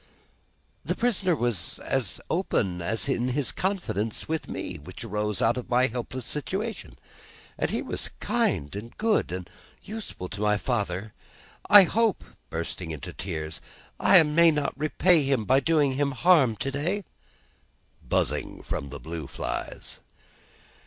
"The prisoner was as open in his confidence with me which arose out of my helpless situation as he was kind, and good, and useful to my father. I hope," bursting into tears, "I may not repay him by doing him harm to day." Buzzing from the blue flies.